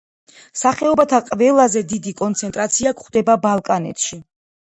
სახეობათა ყველაზე დიდი კონცენტრაცია გვხვდება ბალკანეთში.